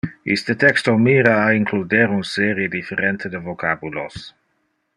Iste texto mira a includer un serie differente de vocabulos.